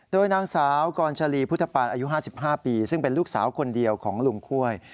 โดยนางสาวกรชาลีพุทธปานอายุ๕๕ปีซึ่งเป็นลูกสาวคนเดียวของลุงค่วย